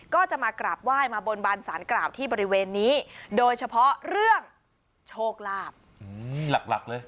ก็จะมากราบไหว้มาบนบานสารกล่าวที่บริเวณนี้โดยเฉพาะเรื่องโชคลาภหลักหลักเลย